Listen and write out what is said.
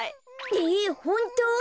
ええホント？